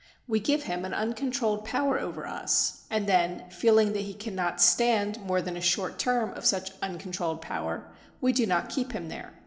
We give him an uncontrolled power over us, and then, feeling that he cannot stand more than a short term of such un controlled power, we do not keep him there.